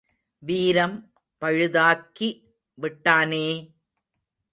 வீரம் பழுதாக்கி விட்டானே!